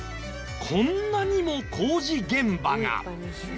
こんなにも工事現場が。